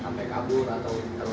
apakah sudah diperiksa